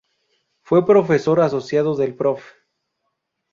Fue profesor asociado del Prof.